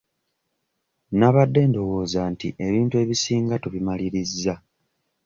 Nabadde ndowooza nti ebintu ebisinga tubimalirizza.